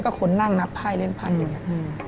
ก็คนนั่งนับไพรเล่นไพรอย่างเงี้ย